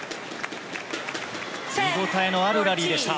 見応えのあるラリーでした。